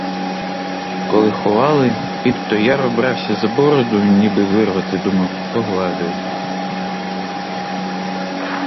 Коли ховали, піп то яро брався за бороду, ніби вирвати думав, то гладив.